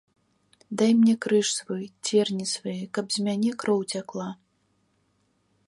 Дай мне крыж свой, церні свае, каб з мяне кроў цякла.